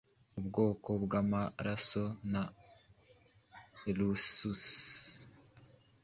ubwoko bw’amaraso na rhesus,